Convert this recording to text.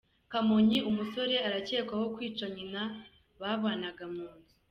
Kamonyi: Umusore arakekwaho kwica nyina babanaga mu nzu.